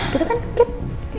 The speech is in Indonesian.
gitu kan kit